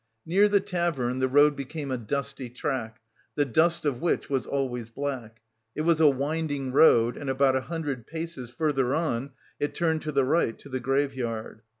Near the tavern the road became a dusty track, the dust of which was always black. It was a winding road, and about a hundred paces further on, it turned to the right to the graveyard.